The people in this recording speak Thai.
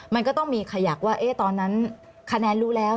มันก็ต้องมีขยักว่าตอนนั้นคะแนนรู้แล้ว